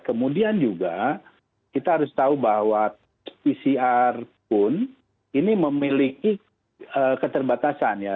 kemudian juga kita harus tahu bahwa pcr pun ini memiliki keterbatasan ya